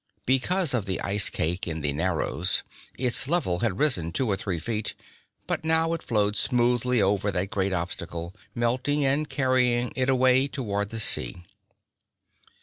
Because of the ice cake in the Narrows its level had risen two or three feet, but now it flowed smoothly over that great obstacle, melting and carrying it away toward the sea.